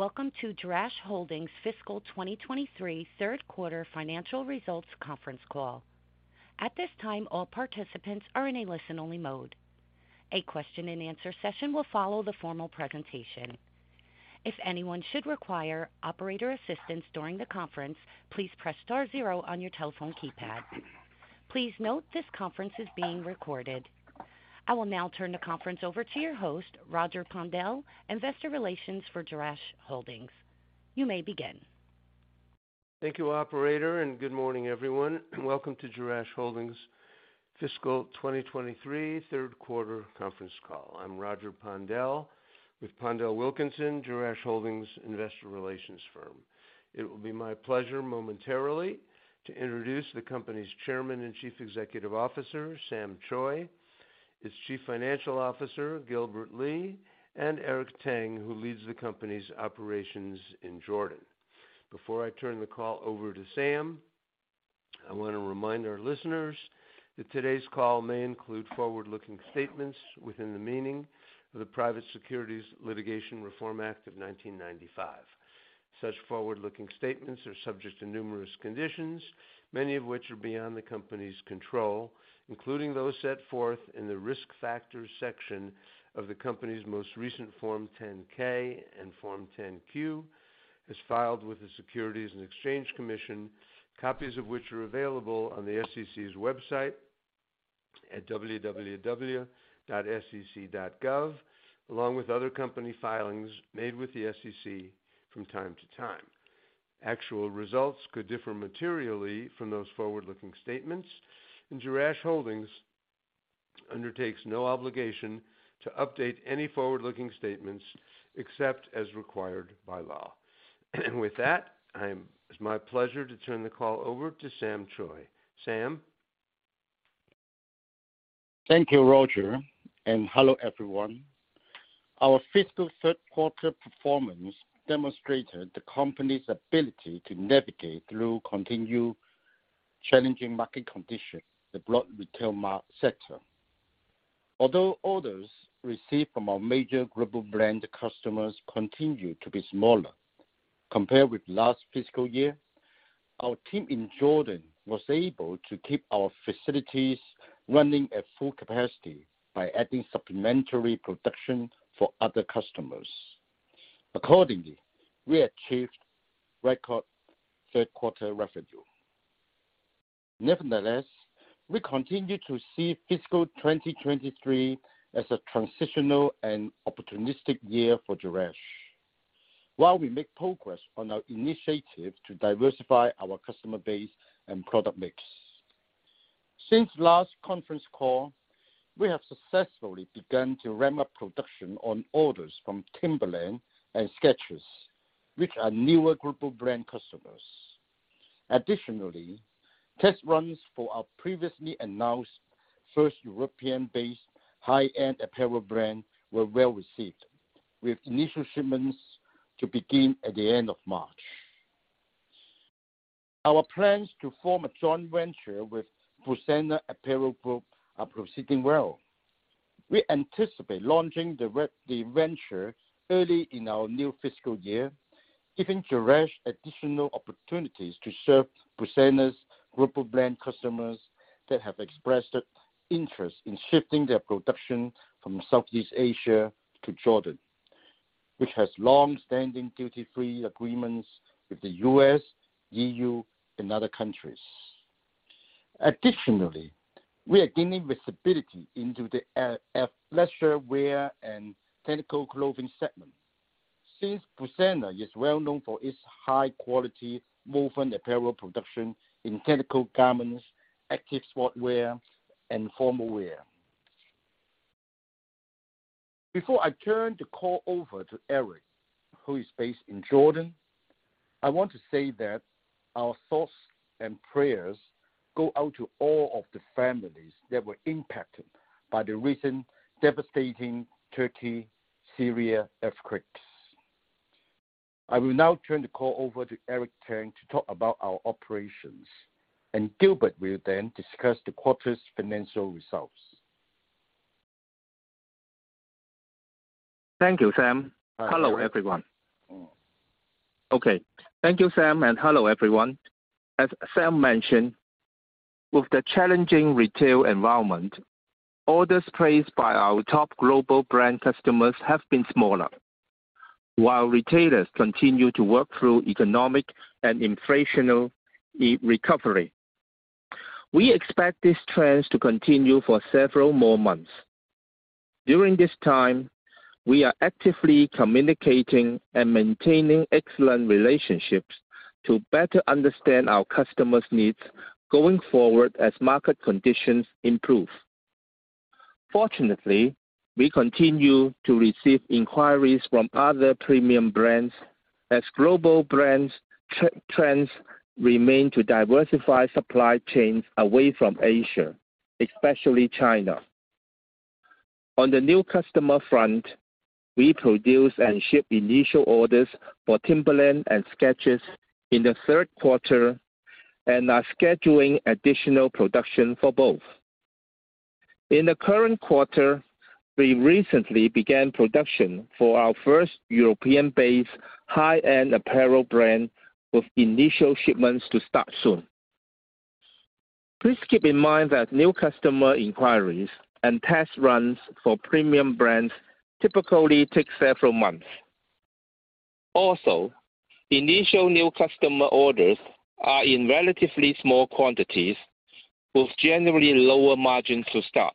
Welcome to Jerash Holdings Fiscal 2023 Q3 Financial Results Conference Call. At this time, all participants are in a listen-only mode. A question-and-answer session will follow the formal presentation. I will now turn the conference over to your host, Roger Pondel, Investor Relations for Jerash Holdings. You may begin. Thank you, operator, and good morning, everyone. Welcome to Jerash Holdings Fiscal 2023 Q3 conference call. I'm Roger Pondel with PondelWilkinson, Jerash Holdings investor relations firm. It will be my pleasure momentarily to introduce the company's Chairman and Chief Executive Officer, Sam Choi, its Chief Financial Officer, Gilbert Lee, and Eric Tang, who leads the company's operations in Jordan. Before I turn the call over to Sam, I want to remind our listeners that today's call may include forward-looking statements within the meaning of the Private Securities Litigation Reform Act of 1995. Such forward-looking statements are subject to numerous conditions, many of which are beyond the company's control, including those set forth in the Risk Factors section of the company's most recent Form 10-K and Form 10-Q, as filed with the Securities and Exchange Commission, copies of which are available on the SEC's website at www.sec.gov, along with other company filings made with the SEC from time to time. Actual results could differ materially from those forward-looking statements, and Jerash Holdings undertakes no obligation to update any forward-looking statements except as required by law. With that, it's my pleasure to turn the call over to Sam Choi. Sam? Thank you, Roger. Hello, everyone. Our fiscal Q3 performance demonstrated the company's ability to navigate through continued challenging market conditions, the broad retail sector. Although orders received from our major global brand customers continued to be smaller compared with last fiscal year, our team in Jordan was able to keep our facilities running at full capacity by adding supplementary production for other customers. Accordingly, we achieved record Q3 revenue. Nevertheless, we continue to see fiscal 2023 as a transitional and opportunistic year for Jerash while we make progress on our initiative to diversify our customer base and product mix. Since last conference call, we have successfully begun to ramp up production on orders from Timberland and Skechers, which are newer group of brand customers. Test runs for our previously announced first European-based high-end apparel brand were well-received, with initial shipments to begin at the end of March. Our plans to form a joint venture with Busana Apparel Group are proceeding well. We anticipate launching the venture early in our new fiscal year, giving Jerash additional opportunities to serve Busana's group of brand customers that have expressed interest in shifting their production from Southeast Asia to Jordan, which has long-standing duty-free agreements with the US, EU, and other countries. We are gaining visibility into the leisure wear and technical clothing segment since Busana is well-known for its high-quality woven apparel production in technical garments, active sportswear, and formal wear. Before I turn the call over to Eric, who is based in Jordan, I want to say that our thoughts and prayers go out to all of the families that were impacted by the recent devastating Turkey-Syria earthquakes. I will now turn the call over to Eric Tang to talk about our operations, and Gilbert will then discuss the quarter's financial results. Thank you, Sam. Hello, everyone. Okay. Thank you, Sam, and hello, everyone. As Sam mentioned, with the challenging retail environment, orders placed by our top global brand customers have been smaller while retailers continue to work through economic and inflationary recovery. We expect these trends to continue for several more months. During this time, we are actively communicating and maintaining excellent relationships to better understand our customers' needs going forward as market conditions improve. Fortunately, we continue to receive inquiries from other premium brands as global brands trends remain to diversify supply chains away from Asia, especially China. On the new customer front, we produce and ship initial orders for Timberland and Skechers in the Q3 and are scheduling additional production for both. In the current quarter, we recently began production for our first European-based high-end apparel brand with initial shipments to start soon. Please keep in mind that new customer inquiries and test runs for premium brands typically take several months. Also, initial new customer orders are in relatively small quantities, with generally lower margins to start.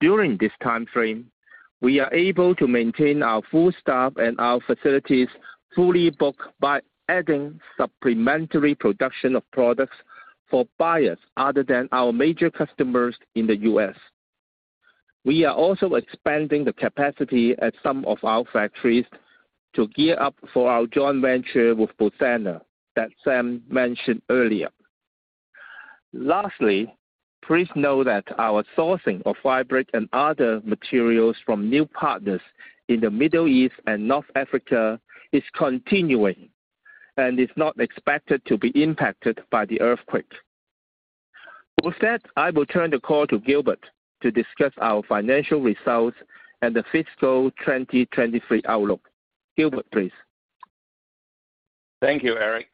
During this time frame, we are able to maintain our full staff and our facilities fully booked by adding supplementary production of products for buyers other than our major customers in the US. We are also expanding the capacity at some of our factories to gear up for our joint venture with Busana that Sam mentioned earlier. Lastly, please know that our sourcing of fabric and other materials from new partners in the Middle East and North Africa is continuing and is not expected to be impacted by the earthquake. With that, I will turn the call to Gilbert to discuss our financial results and the fiscal 2023 outlook. Gilbert, please. Thank you, Eric.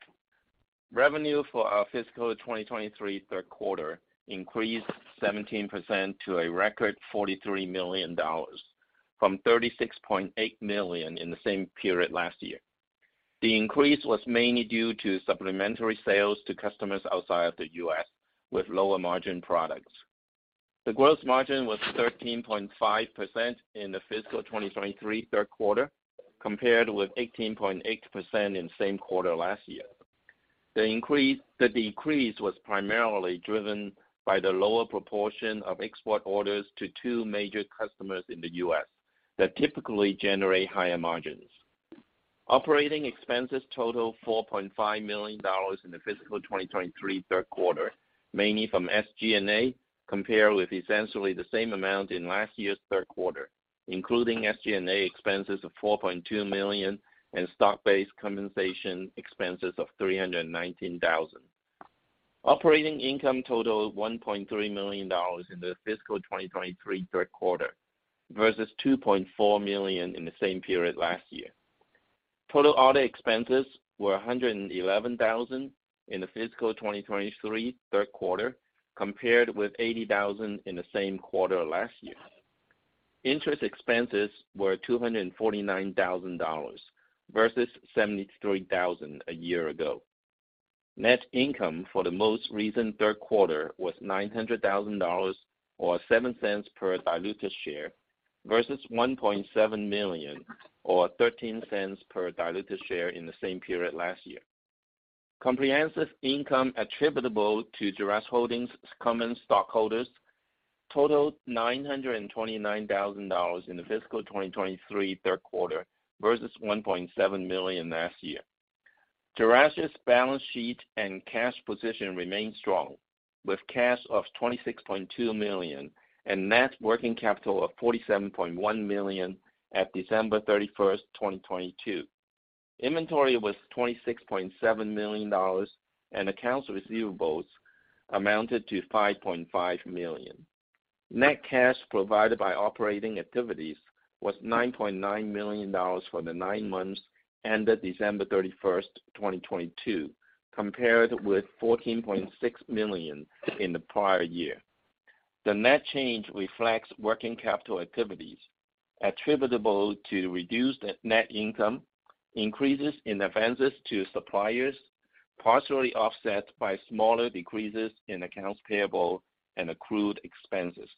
Revenue for our fiscal 2023 Q3 increased 17% to a record $43 million from $36.8 million in the same period last year. The increase was mainly due to supplementary sales to customers outside of the US with lower margin products. The gross margin was 13.5% in the fiscal 2023 Q3, compared with 18.8% in the same quarter last year. The decrease was primarily driven by the lower proportion of export orders to two major customers in the US that typically generate higher margins. Operating expenses totaled $4.5 million in the fiscal 2023 Q3, mainly from SG&A, compared with essentially the same amount in last year's Q3, including SG&A expenses of $4.2 million and stock-based compensation expenses of $319,000. Operating income totaled $1.3 million in the fiscal 2023 Q3 versus $2.4 million in the same period last year. Total audit expenses were $111,000 in the fiscal 2023 Q3 compared with $80,000 in the same quarter last year. Interest expenses were $249,000 versus $73,000 a year ago. Net income for the most recent Q3 was $900,000 or $0.07 per diluted share, versus $1.7 million or $0.13 per diluted share in the same period last year. Comprehensive income attributable to Jerash Holdings common stockholders totaled $929,000 in the fiscal 2023 Q3 versus $1.7 million last year. Jerash's balance sheet and cash position remain strong with cash of $26.2 million and net working capital of $47.1 million at December 31st, 2022. Inventory was $26.7 million and accounts receivables amounted to $5.5 million. Net cash provided by operating activities was $9.9 million for the nine months ended December 31st, 2022, compared with $14.6 million in the prior year. The net change reflects working capital activities attributable to reduced net income, increases in advances to suppliers, partially offset by smaller decreases in accounts payable and accrued expenses.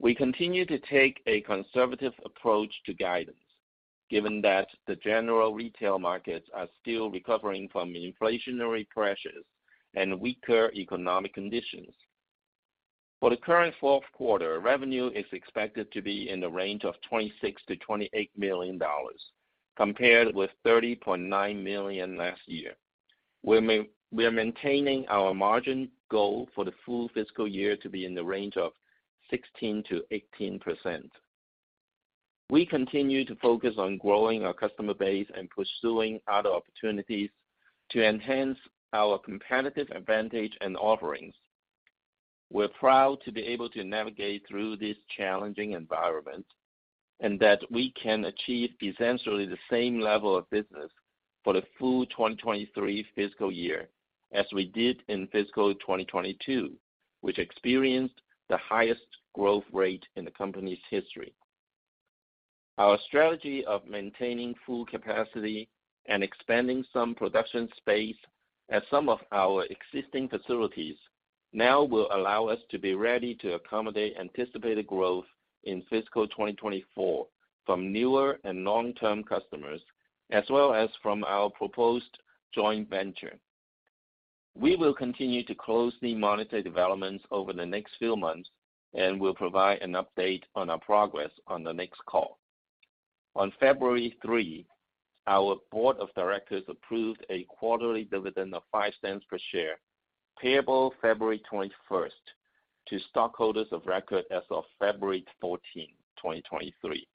We continue to take a conservative approach to guidance, given that the general retail markets are still recovering from inflationary pressures and weaker economic conditions. For the current Q4, revenue is expected to be in the range of $26 million-$28 million, compared with $30.9 million last year. We are maintaining our margin goal for the full fiscal year to be in the range of 16%-18%. We continue to focus on growing our customer base and pursuing other opportunities to enhance our competitive advantage and offerings. We're proud to be able to navigate through this challenging environment and that we can achieve essentially the same level of business for the full 2023 fiscal year as we did in fiscal 2022, which experienced the highest growth rate in the company's history. Our strategy of maintaining full capacity and expanding some production space at some of our existing facilities now will allow us to be ready to accommodate anticipated growth in fiscal 2024 from newer and long-term customers, as well as from our proposed joint venture. We will continue to closely monitor developments over the next few months and will provide an update on our progress on the next call. On February 3, our board of directors approved a quarterly dividend of $0.05 per share, payable February 21st to stockholders of record as of February 14, 2023.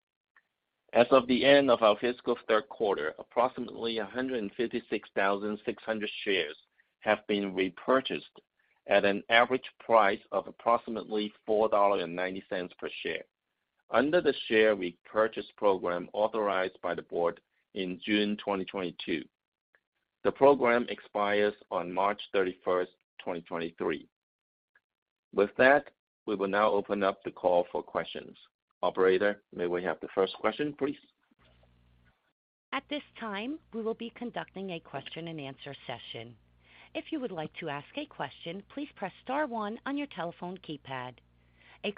As of the end of our fiscal Q3, approximately 156,600 shares have been repurchased at an average price of approximately $4.90 per share under the share repurchase program authorized by the board in June 2022. The program expires on March 31st 2023. With that, we will now open up the call for questions. Operator, may we have the first question, please? At this time, we will be conducting a question and answer session. Your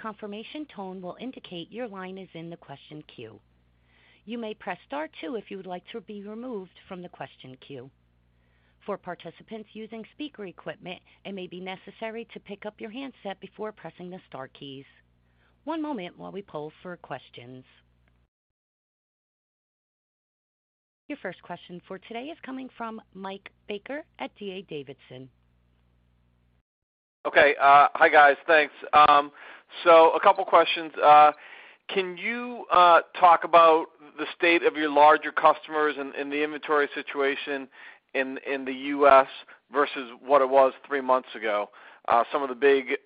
first question for today is coming from Mike Baker at D.A. Davidson. Okay. Hi, guys. Thanks. A couple questions. Can you talk about the state of your larger customers and the inventory situation in the US versus what it was three months ago? Some of the big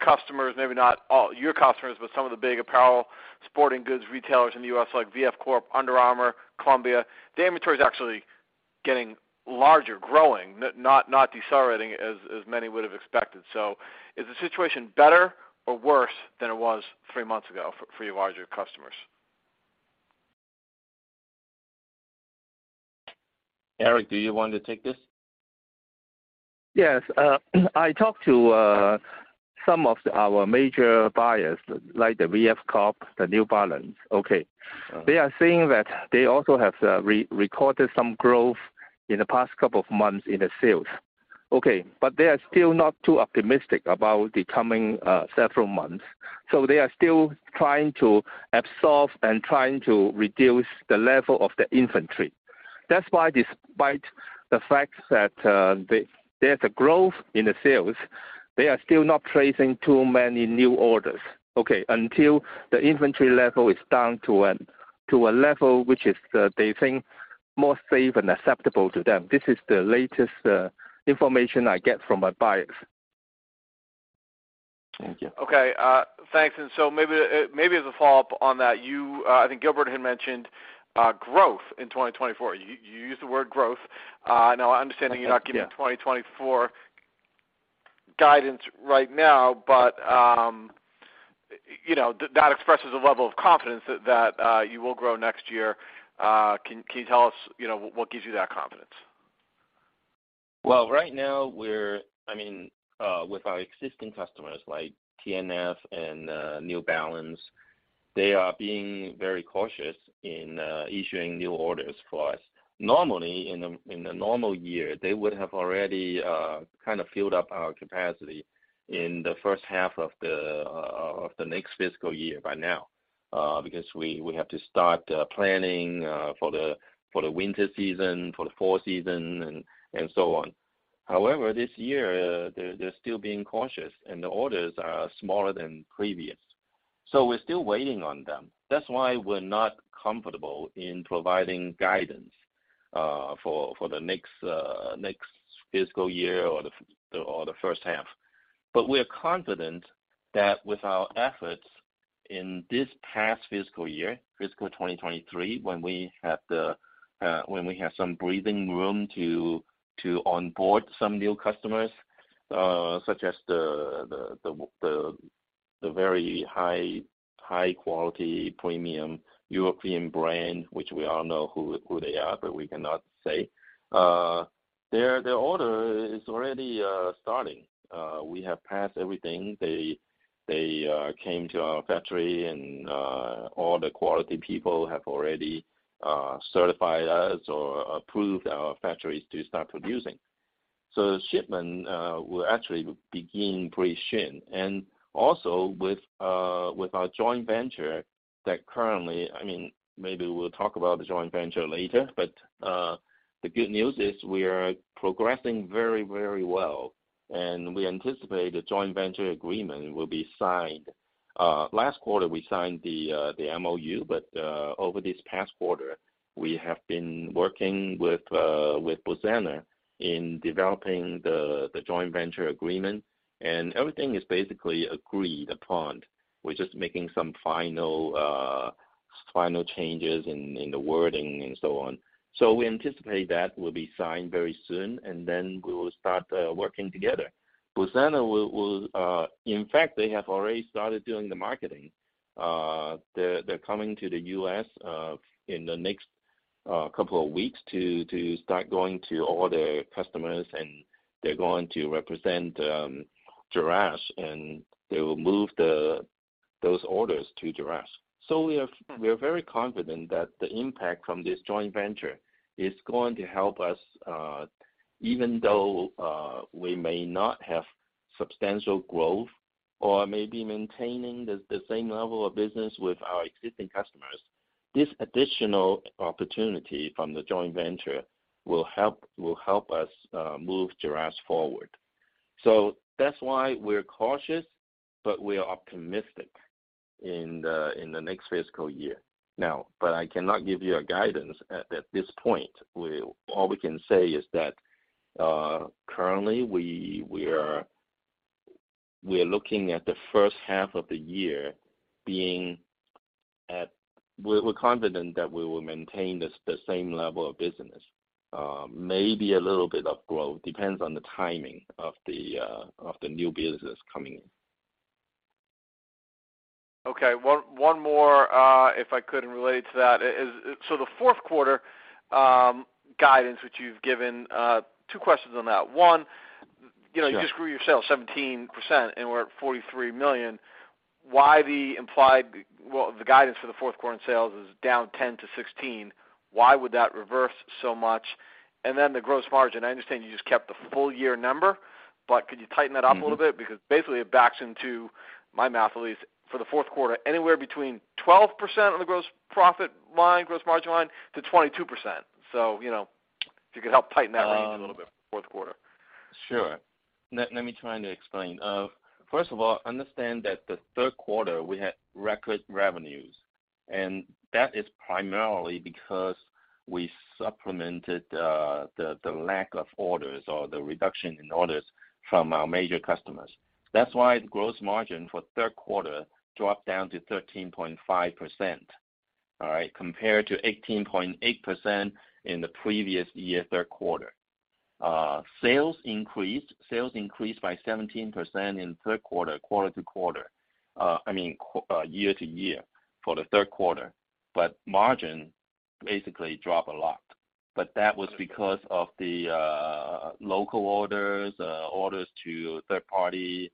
customers, maybe not all your customers, but some of the big apparel sporting goods retailers in the US like VF Corp, Under Armour, Columbia, the inventory is actually getting larger, growing, not decelerating as many would have expected. Is the situation better or worse than it was three months ago for your larger customers? Eric, do you want to take this? Yes. I talked to some of our major buyers, like the VF Corp, the New Balance. Okay. They are saying that they also have re-recorded some growth in the past couple of months in the sales. Okay. They are still not too optimistic about the coming several months. They are still trying to absorb and trying to reduce the level of the inventory. Despite the fact that there's a growth in the sales, they are still not placing too many new orders, okay, until the inventory level is down to a level which is they think more safe and acceptable to them. This is the latest information I get from my buyers. Thank you. Okay, thanks. Maybe, maybe as a follow-up on that, you, I think Gilbert had mentioned, growth in 2024. You used the word growth. now understanding you're not- Yeah. -giving 2024 guidance right now, but, you know, that expresses a level of confidence that you will grow next year. Can you tell us, you know, what gives you that confidence? Well, I mean, with our existing customers like TNF and New Balance, they are being very cautious in issuing new orders for us. Normally, in a normal year, they would have already kind of filled up our capacity in the first half of the next fiscal year by now because we have to start planning for the winter season, for the fall season, and so on. However, this year, they're still being cautious, and the orders are smaller than previous. We're still waiting on them that's why we're not comfortable in providing guidance for the next fiscal year or the first half. We're confident that with our efforts in this past fiscal year this 2023, when we have some breathing room to onboard some new customers, such as the very high quality premium European brand, which we all know who they are. We cannot say. Their order is already starting. We have passed everything. They came to our factory. All the quality people have already certified us or approved our factories to start producing. The shipment will actually begin pretty soon. Also with our joint venture. I mean, maybe we'll talk about the joint venture later. The good news is we are progressing very, very well, and we anticipate the joint venture agreement will be signed. Last quarter we signed the MOU. Over this past quarter, we have been working with Busana in developing the joint venture agreement, and everything is basically agreed upon. We're just making some final changes in the wording and so on. We anticipate that will be signed very soon. Then we will start working together. Busana will. In fact, they have already started doing the marketing. They're coming to the US in the next couple of weeks to start going to all their customers, and they're going to represent Jerash, and they will move those orders to Jerash. We are very confident that the impact from this joint venture is going to help us, even though we may not have substantial growth or maybe maintaining the same level of business with our existing customers. This additional opportunity from the joint venture will help us move Jerash forward. That's why we're cautious, but we are optimistic in the next fiscal year. I cannot give you a guidance at this point. All we can say is that currently we are looking at the first half of the year being at. We're confident that we will maintain the same level of business, maybe a little bit of growth. Depends on the timing of the new business coming in. Okay. One more, if I could, and related to that the Q4, guidance that you've given, two questions on that. One, you know- Yeah. You just grew your sales 17% and we're at $43 million. Why the implied? Well, the guidance for the Q4 in sales is down 10%-16%. Why would that reverse so much? The gross margin, I understand you just kept the full year number, but could you tighten that up a little bit? Mm-hmm. Because basically it backs into, my math at least, for the Q4, anywhere between 12% on the gross profit line, gross margin line, to 22%. You know, if you could help tighten that range a little bit, Q4. Sure. Let me try to explain. First of all, understand that the Q3 we had record revenues, and that is primarily because we supplemented the lack of orders or the reduction in orders from our major customers. That's why gross margin for Q3 dropped down to 13.5%, all right, compared to 18.8% in the previous year Q3. Sales increased. Sales increased by 17% in Q3-to-quarter, I mean, year-to-year for the Q3. Margin basically dropped a lot. That was because of the local orders to third party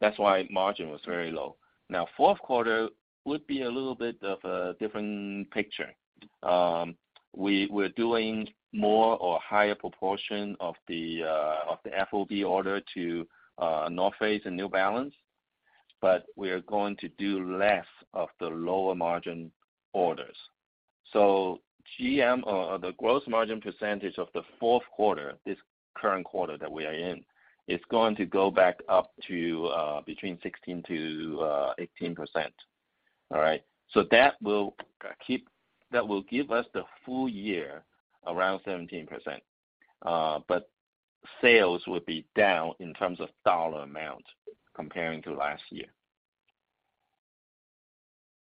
that's why margin was very low. Q4 would be a little bit of a different picture. We're doing more or higher proportion of the FOB order to The North Face and New Balance, but we are going to do less of the lower margin orders. GM or the gross margin percentage of the Q4, this current quarter that we are in is going to go back up to between 16%-18%. All right? That will give us the full year around 17%. Sales will be down in terms of dollar amount comparing to last year.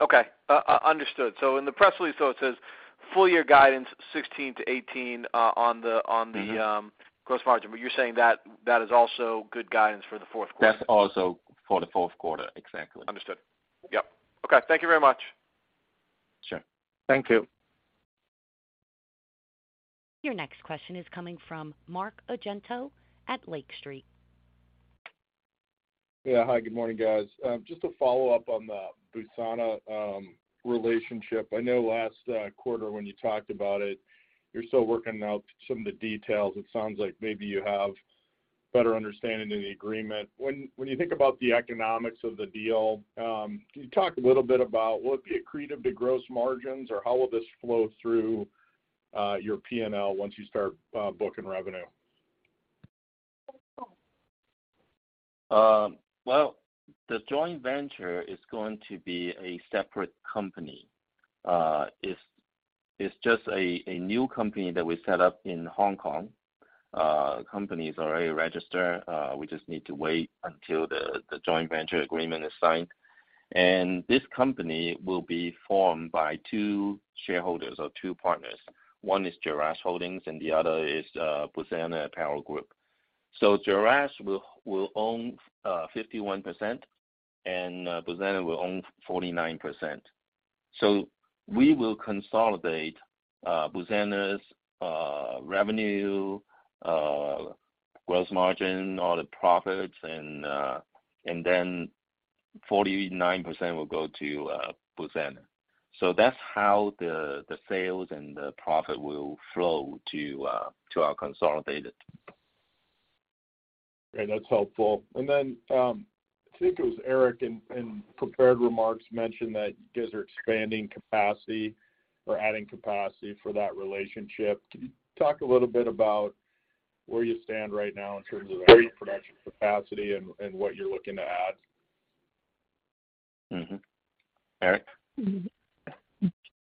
Okay. Understood. In the press release, it says full year guidance 16-18. Mm-hmm. Gross margin. You're saying that is also good guidance for the Q4. That's also for the Q4. Exactly. Understood. Yep. Okay. Thank you very much. Sure. Thank you. Your next question is coming from Mark Argento at Lake Street Capital Markets. Yeah. Hi, good morning, guys. Just to follow up on the Busana relationship. I know last quarter when you talked about it, you're still working out some of the details. It sounds like maybe you have better understanding of the agreement. When you think about the economics of the deal, can you talk a little bit about will it be accretive to gross margins, or how will this flow through your P&L once you start booking revenue? Well, the joint venture is going to be a separate company. It's just a new company that we set up in Hong Kong. Company is already registered, we just need to wait until the joint venture agreement is signed. This company will be formed by two shareholders or two partners. One is Jerash Holdings and the other is Busana Apparel Group. Jerash will own 51% and Busana will own 49%. We will consolidate Busana's revenue, gross margin, all the profits and then 49% will go to Busana. That's how the sales and the profit will flow to our consolidated. Great. That's helpful. I think it was Eric in prepared remarks mentioned that you guys are expanding capacity or adding capacity for that relationship. Can you talk a little bit about where you stand right now in terms of production capacity and what you're looking to add? Mm-hmm. Eric?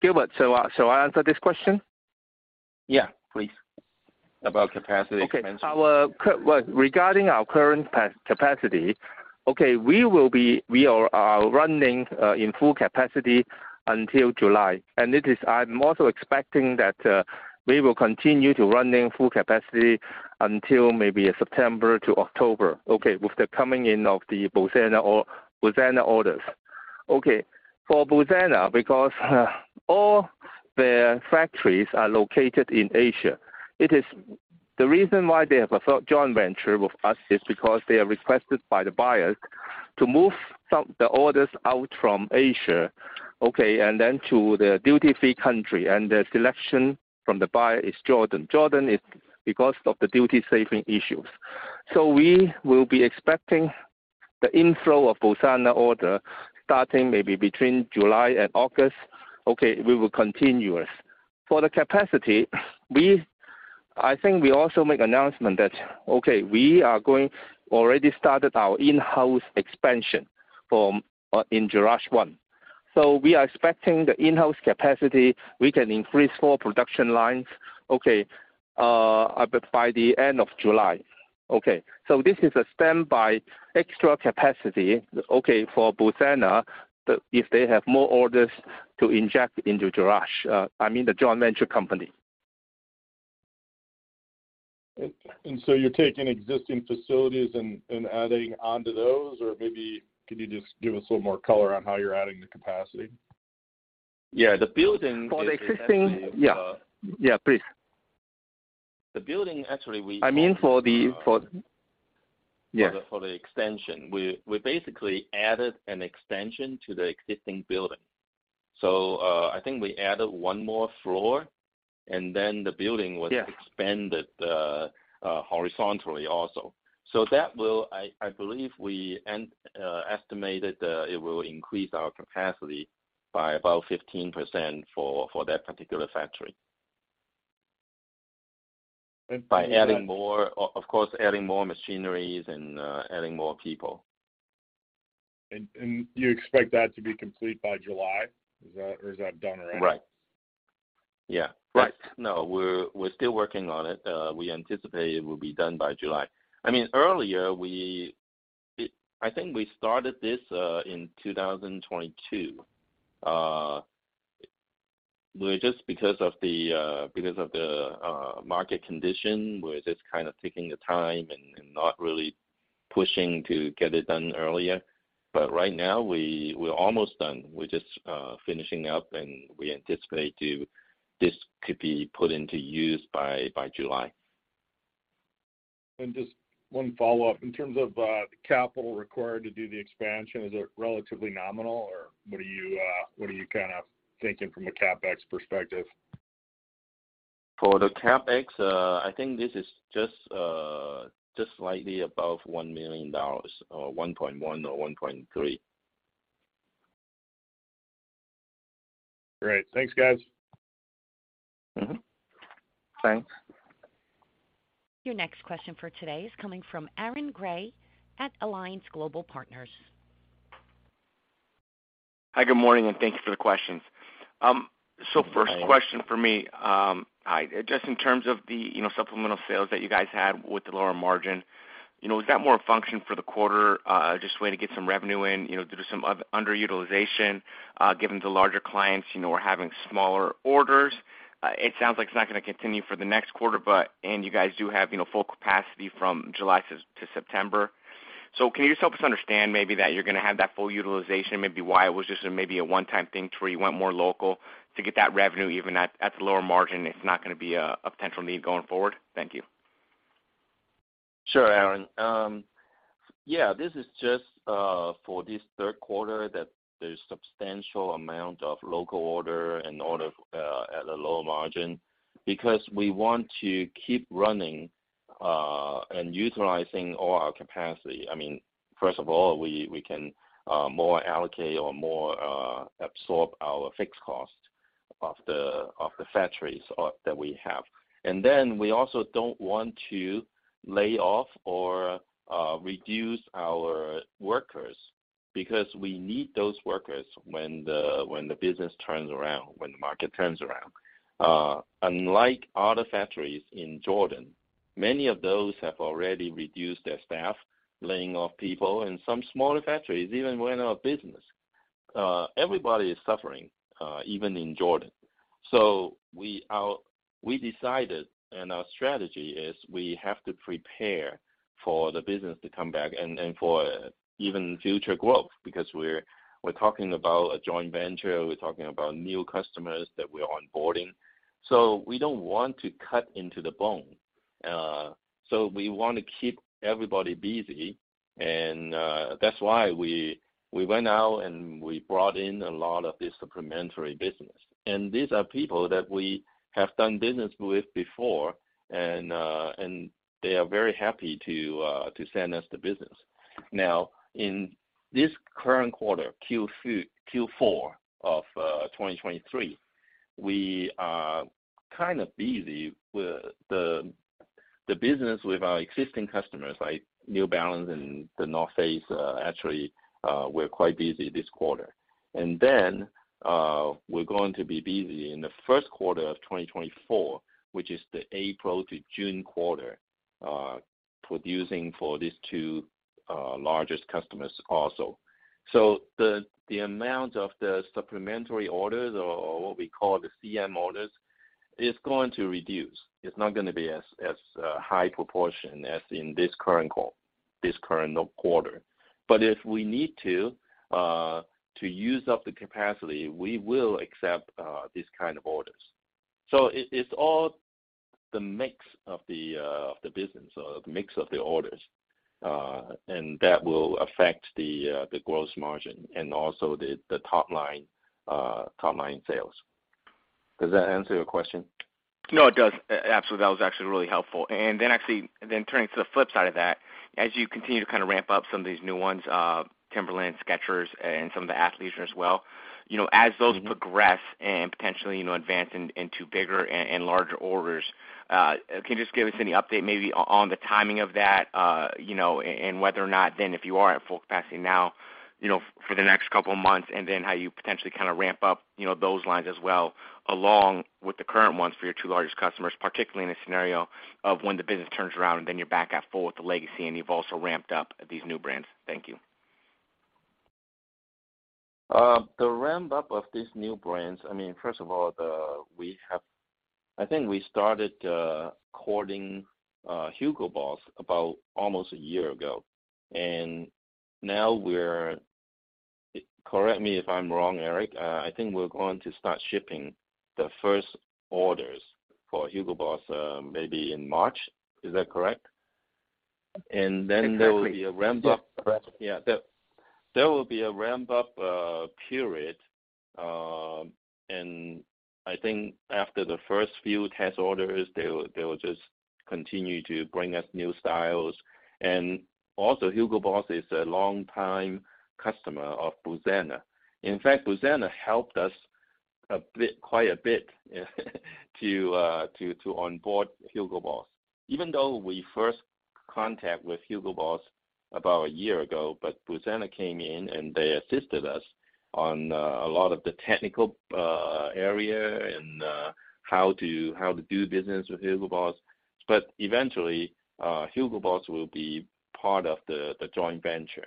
Gilbert, shall I answer this question? Yeah, please. About capacity expansion. Okay. Well, regarding our current capacity, okay, we are running in full capacity until July. I'm also expecting that we will continue to running full capacity until maybe September to October, okay, with the coming in of the Busana orders. Okay. For Busana, because all their factories are located in Asia, The reason why they have a joint venture with us is because they are requested by the buyers to move the orders out from Asia, okay, and then to the duty-free country. The selection from the buyer is Jordan. Jordan is because of the duty saving issues. We will be expecting the inflow of Busana order starting maybe between July and August, okay, will be continuous. For the capacity, I think we also make announcement that, okay, we are going already started our in-house expansion from in Jerash one. We are expecting the in-house capacity, we can increase four production lines, okay, by the end of July. Okay. This is a standby extra capacity, okay, for Busana, if they have more orders to inject into Jerash, I mean, the joint venture company. You're taking existing facilities and adding on to those? Maybe could you just give us a little more color on how you're adding the capacity? The building, actually, I mean for the extension. We basically added an extension to the existing building. I think we added one more floor, and then the building was expanded horizontally also. I believe we estimated it will increase our capacity by about 15% for that particular factory. by adding. Of course, adding more machineries and adding more people. You expect that to be complete by July? Is that done already? Right. Yeah. Right. No, we're still working on it. We anticipate it will be done by July. I mean, earlier I think we started this in 2022. We're just because of the market condition, we're just kind of taking the time and not really pushing to get it done earlier. Right now we're almost done. We're just finishing up, and we anticipate this could be put into use by July. Just one follow-up. In terms of, the capital required to do the expansion, is it relatively nominal or what are you, what are you kind a thinking from a CapEx perspective? For the CapEx, I think this is just slightly above $1 million, or $1.1 million or $1.3 million. Great. Thanks, guys. Thanks. Your next question for today is coming from Aaron Grey at Alliance Global Partners. Hi, good morning, thank you for the questions. First question for me. Hi. Just in terms of the, you know, supplemental sales that you guys had with the lower margin, you know, is that more a function for the quarter, just waiting to get some revenue in, you know, due to some underutilization, given the larger clients, you know, are having smaller orders? It sounds like it's not gonna continue for the next quarter. You guys do have, you know, full capacity from July to September. Can you just help us understand maybe that you're gonna have that full utilization, maybe why it was just a maybe a one-time thing to where you went more local to get that revenue even at the lower margin if not gonna be a potential need going forward? Thank you. Sure, Aaron. Yeah, this is just for this Q3 that there's substantial amount of local order and order at a lower margin because we want to keep running and utilizing all our capacity. I mean, first of all, we can more allocate or more absorb our fixed cost of the factories that we have. We also don't want to lay off or reduce our workers because we need those workers when the business turns around, when the market turns around. Unlike other factories in Jordan, many of those have already reduced their staff, laying off people, and some smaller factories even went out of business. Everybody is suffering even in Jordan. We decided, and our strategy is we have to prepare for the business to come back and for even future growth because we're talking about a joint venture, we're talking about new customers that we're onboarding. We don't want to cut into the bone. We wanna keep everybody busy, and that's why we went out and we brought in a lot of this supplementary business. These are people that we have done business with before and they are very happy to send us the business. In this current quarter, Q4 of 2023, we are kind of busy with the business with our existing customers like New Balance and The North Face, actually, we're quite busy this quarter. We're going to be busy in the Q1 of 2024, which is the April to June quarter, producing for these two largest customers also. The amount of the supplementary orders or what we call the CM orders is going to reduce. It's not going to be as high proportion as in this current quarter. If we need to use up the capacity, we will accept these kind of orders. It's all the mix of the business or the mix of the orders, and that will affect the gross margin and also the top-line top-line sales. Does that answer your question? No, it does. Absolutely. That was actually really helpful. Then actually, then turning to the flip side of that, as you continue to kind of ramp up some of these new ones, Timberland, Skechers and some of the Athletes as well, you know, as those progress and potentially, you know, advance into bigger and larger orders. Can you just give us any update maybe on the timing of that, you know, and whether or not then if you are at full capacity now, you know, for the next couple of months? and then how you potentially kind of ramp up, you know, those lines as well, along with the current ones for your two largest customers, particularly in a scenario of when the business turns around and then you're back at full with the legacy and you've also ramped up these new brands. Thank you. The ramp-up of these new brands, I mean, first of all, I think we started courting Hugo Boss about almost a year ago. Now we're... Correct me if I'm wrong, Eric, I think we're going to start shipping the first orders for Hugo Boss maybe in March. Is that correct? Exactly. There will be a ramp-up. Yes, correct. There will be a ramp-up period. I think after the first few test orders, they will just continue to bring us new styles. Also, Hugo Boss is a long-time customer of Busana. In fact, Busana helped us a bit, quite a bit, to onboard Hugo Boss. Even though we first contact with Hugo Boss about a year ago, but Busana came in and they assisted us on a lot of the technical area and how to do business with Hugo Boss. Eventually, Hugo Boss will be part of the joint venture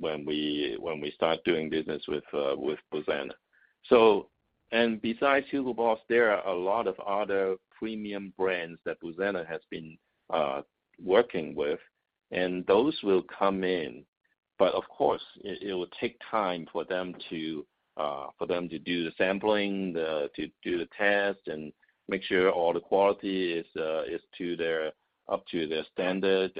when we start doing business with Busana. Besides Hugo Boss, there are a lot of other premium brands that Busana has been working with, and those will come in. Of course, it will take time for them to for them to do the sampling, to do the test and make sure all the quality is up to their standard.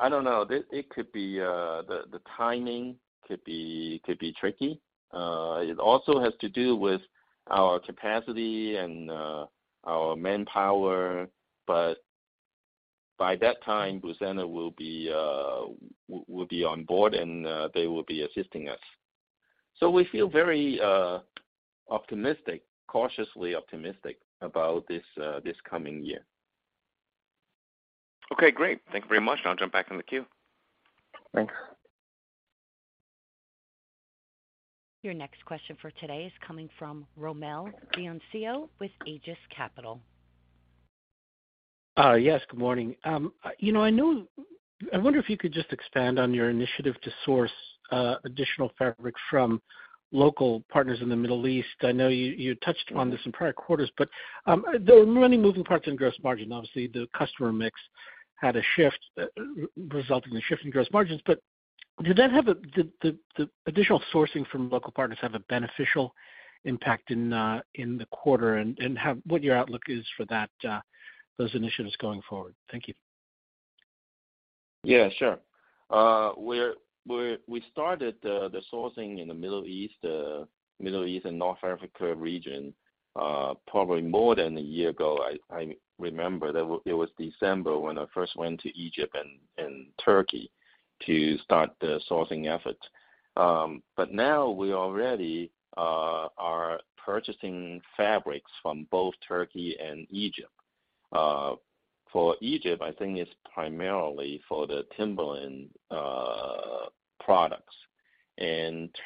I don't know, it could be the timing could be tricky. It also has to do with our capacity and our manpower. By that time, Busana will be on board, and they will be assisting us. We feel very optimistic, cautiously optimistic about this this coming year. Okay, great. Thank you very much. I'll jump back in the queue. Thanks. Your next question for today is coming from Rommel Dionisio with Aegis Capital. Yes, good morning. you know, I wonder if you could just expand on your initiative to source additional fabric from local partners in the Middle East. I know you touched on this in prior quarters, but there are many moving parts in gross margin. Obviously, the customer mix had a shift, resulting in a shift in gross margins. Did the additional sourcing from local partners have a beneficial impact in the quarter, and what your outlook is for that, those initiatives going forward? Thank you. Yeah, sure. We started the sourcing in the Middle East and North Africa region, probably more than a year ago. I remember that it was December when I first went to Egypt and Turkey to start the sourcing effort. Now we already are purchasing fabrics from both Turkey and Egypt. For Egypt, I think it's primarily for the Timberland products.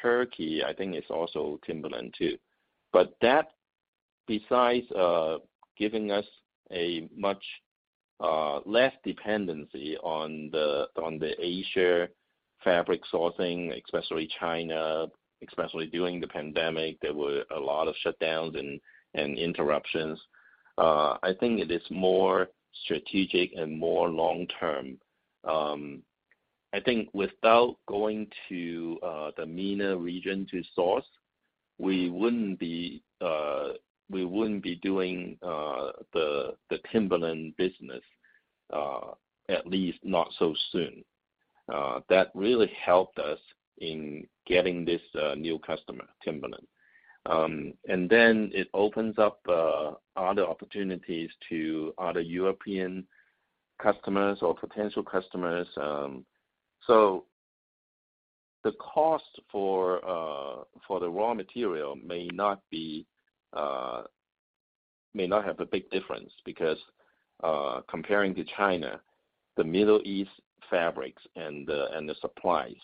Turkey, I think it's also Timberland too. That, besides giving us a much less dependency on the Asia fabric sourcing, especially China, especially during the pandemic, there were a lot of shutdowns and interruptions. It is more strategic and more long-term. I think without going to the MENA region to source, we wouldn't be doing the Timberland business at least not so soon. That really helped us in getting this new customer, Timberland. It opens up other opportunities to other European customers or potential customers. The cost for the raw material may not be may not have a big difference because comparing to China, the Middle East fabrics and the supplies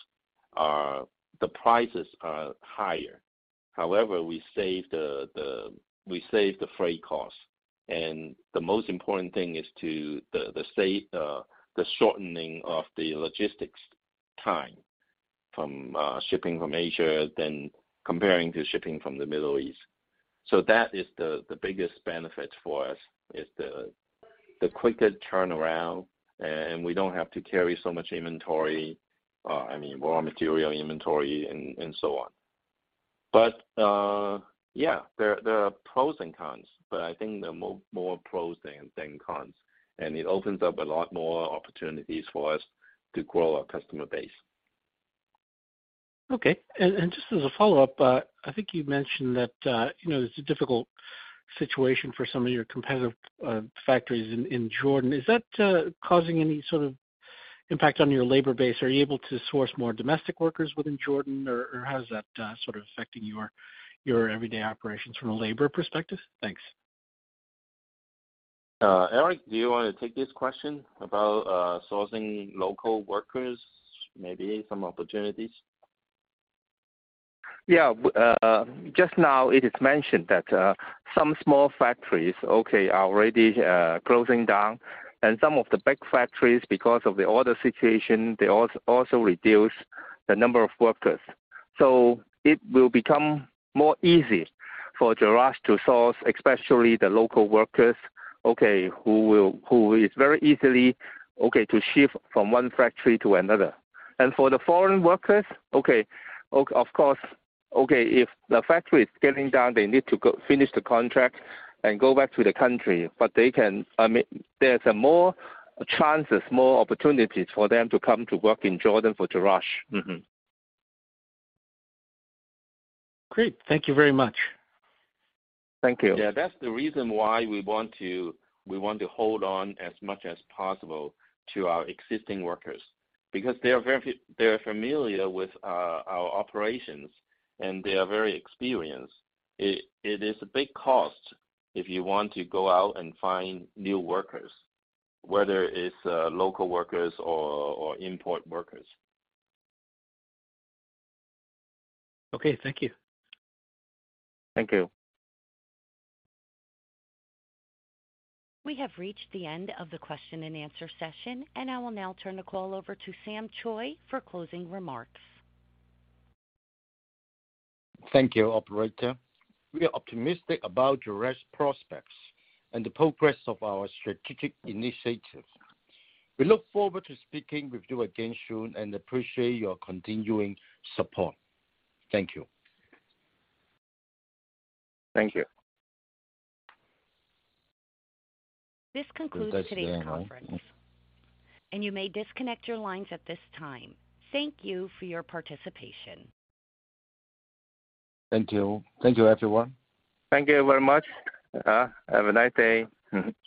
are the prices are higher. However, we save the freight costs. The most important thing is to the save the shortening of the logistics time from shipping from Asia than comparing to shipping from the Middle East. That is the biggest benefit for us, is the quicker turnaround, and we don't have to carry so much inventory, I mean, raw material inventory and so on. Yeah, there are pros and cons, but I think there are more pros than cons, and it opens up a lot more opportunities for us to grow our customer base. Okay. Just as a follow-up, I think you mentioned that, you know, it's a difficult situation for some of your competitive factories in Jordan. Is that causing any sort of impact on your labor base? Are you able to source more domestic workers within Jordan? Or how is that sort of affecting your everyday operations from a labor perspective? Thanks. Eric, do you wanna take this question about sourcing local workers, maybe some opportunities? Just now, it is mentioned that some small factories are already closing down. Some of the big factories, because of the order situation, they also reduce the number of workers. It will become more easy for Jerash to source, especially the local workers, who is very easily to shift from one factory to another. For the foreign workers, of course, if the factory is getting down, they need to go finish the contract and go back to the country. I mean, there's a more chances, more opportunities for them to come to work in Jordan for Jerash. Mm-hmm. Great. Thank you very much. Thank you. Yeah. That's the reason why we want to hold on as much as possible to our existing workers because they are very familiar with our operations, and they are very experienced. It is a big cost if you want to go out and find new workers, whether it's local workers or import workers. Okay. Thank you. Thank you. We have reached the end of the question and answer session. I will now turn the call over to Sam Choi for closing remarks. Thank you, operator. We are optimistic about Jerash's prospects and the progress of our strategic initiatives. We look forward to speaking with you again soon and appreciate your continuing support. Thank you. Thank you. This concludes today's conference. Goodbye, everyone. You may disconnect your lines at this time. Thank you for your participation. Thank you. Thank you, everyone. Thank you very much. Have a nice day. Mm-hmm.